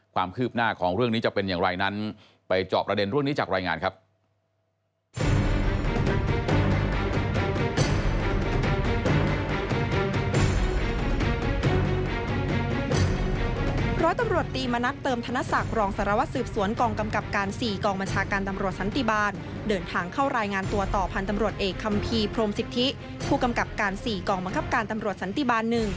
ความคืบหน้าของเรื่องนี้จะเป็นอย่างไรนั้นไปจอบประเด็นเรื่องนี้จากรายงานครับ